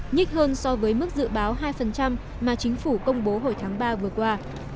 nhích hơn so với mức dự báo hai mà chính phủ công bố hồi tháng ba vừa qua